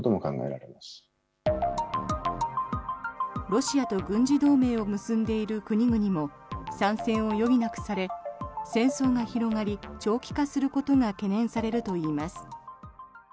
ロシアと軍事同盟を結んでいる国々も参戦を余儀なくされ戦争が広がり、長期化することが懸念されるといいます。